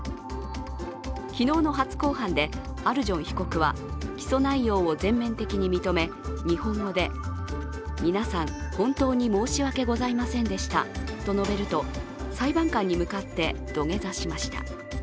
昨日の初公判でアルジョン被告は起訴内容を全面的に認め日本語で、皆さん、本当に申し訳ございませんでしたと述べると、裁判官に向かって土下座しました。